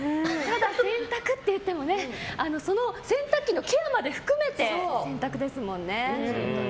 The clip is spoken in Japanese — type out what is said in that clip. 洗濯っていってもその洗濯機のケアまで含めて洗濯ですもんね。